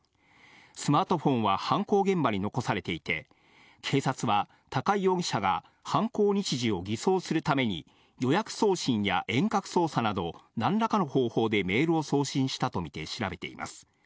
スマートフォンは犯行現場に残されていて、警察は高井容疑者が犯行日時を偽装するために、予約送信や遠隔操作など何らかの方法でメールを送信したとみて調べています。